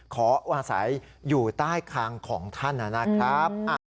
ขออาศัยอยู่ใต้คางของท่านนะครับ